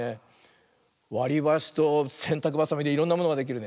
わりばしとせんたくばさみでいろんなものができるね。